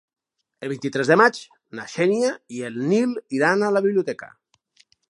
El vint-i-tres de maig na Xènia i en Nil iran a la biblioteca.